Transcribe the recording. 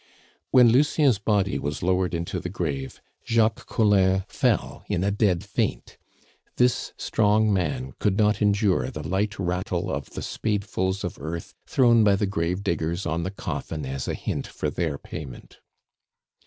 When Lucien's body was lowered into the grave, Jacques Collin fell in a dead faint. This strong man could not endure the light rattle of the spadefuls of earth thrown by the gravediggers on the coffin as a hint for their payment.